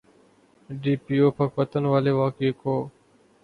D P O Pakpattan والے واقعے کو۔